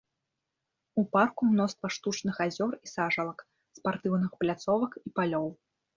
У парку мноства штучных азёр і сажалак, спартыўных пляцовак і палёў.